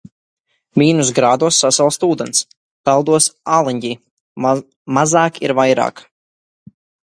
Mīnus grādos sasalst ūdens. Peldos āliņģī. Mazāk ir vairāk.